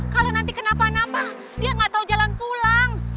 kalau nanti kenapa napa dia nggak tahu jalan pulang